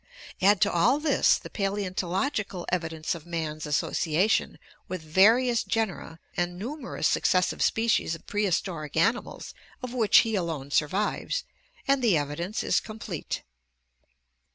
Add to all THE EVOLUTION OF MAN 685 this the paleontological evidence of man's association with various genera and numerous successive species of prehistoric animals of which he alone survives, and the evidence is complete.